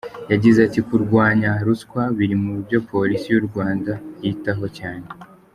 Yagize ati "Kurwanya ruswa biri mu byo Polisi y’u Rwanda yitaho cyane.